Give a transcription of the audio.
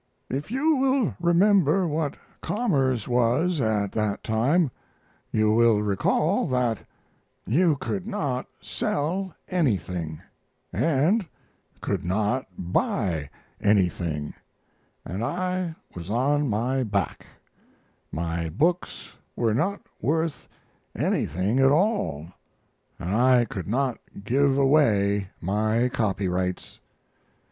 If you will remember what commerce was at that time you will recall that you could not sell anything, and could not buy anything, and I was on my back; my books were not worth anything at all, and I could not give away my copyrights.